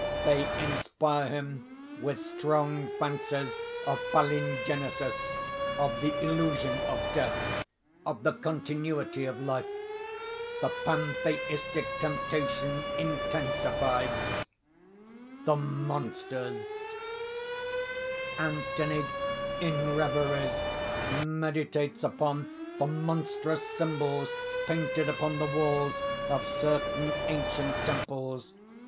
They inspire him with strong fancies of palingenesis, of the illusion of death, of the continuity of life. The pantheistic temptation intensified. THE MONSTERS Anthony in reveries meditates upon the monstrous symbols painted upon the walls of certain ancient temples.